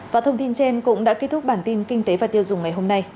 và thông tin trên cũng đã kết thúc bản tin kinh tế và tiêu dùng ngày hôm nay